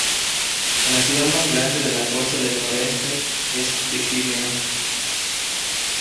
Es la ciudad más grande de la costa del noroeste de Crimea.